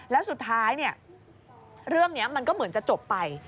แล้วสุดท้ายเนี่ยเรื่องนี้มันก็เหมือนจะจบไป